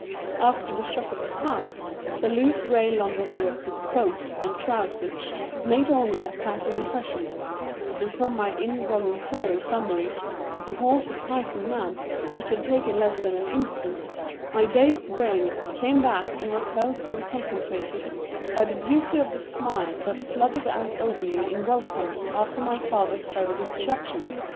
After the shock of the tie the loose gray London worsted coat and trousers made only a passing impression; and from my involuntary summary of the whole surprising man, which had taken less than an instant, my dazed brain came back and was held and concentrated by the beauty of the smile that flooded out over me in welcome after my father's hurried introduction.